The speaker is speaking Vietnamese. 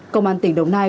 công an tỉnh đồng nai